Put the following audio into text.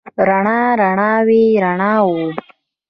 رڼا، رڼاوې، رڼاوو